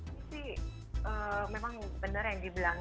ini sih memang benar yang dibilang